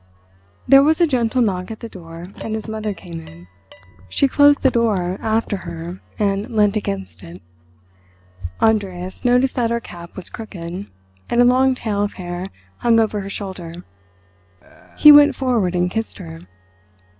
There was a gentle knock at the door and his mother came in. She closed the door after her and leant against it. Andreas noticed that her cap was crooked, and a long tail of hair hung over her shoulder. He went forward and kissed her.